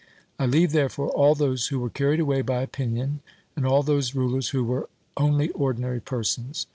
I leave, therefore, all those who were carried away by opinion, and all those rulers who were only ordinary persons.